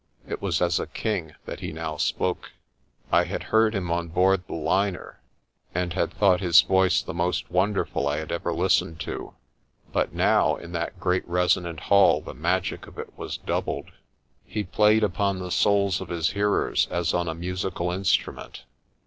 It was as a king that he now spoke. I had heard him on board the liner and had thought his THE CAVE OF THE ROOIRAND 141 voice the most wonderful I had ever listened to. But now in that great resonant hall the magic of it was doubled. He played upon the souls of his hearers as on a musical instru ment.